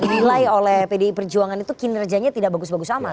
dinilai oleh pdi perjuangan itu kinerjanya tidak bagus bagus sama